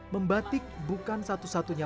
membatik bukan satu satunya